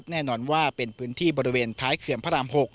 แน่นอนว่าเป็นพื้นที่บริเวณท้ายเขื่อนพระราม๖